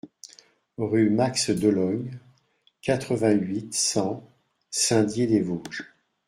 Rue Max D'Ollone, quatre-vingt-huit, cent Saint-Dié-des-Vosges